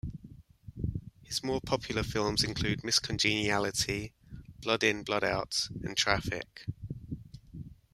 His more popular films include "Miss Congeniality", "Blood In Blood Out" and "Traffic".